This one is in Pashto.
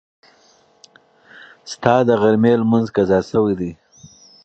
ستا د غرمې لمونځ قضا شوی دی.